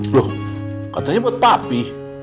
loh katanya buat papi